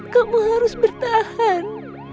kamu harus bertahan